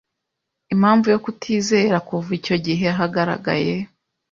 impamvu yo kutizera kuva icyo gihe hagaragaye